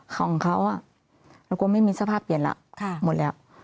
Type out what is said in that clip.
ของเขาเรากลัวไม่มีสภาพเปลี่ยนแล้วหมดแล้ว